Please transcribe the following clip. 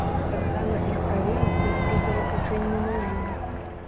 Таксама іх правераць і пры перасячэнні мяжы.